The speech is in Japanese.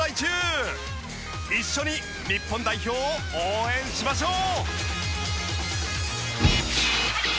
一緒に日本代表を応援しましょう。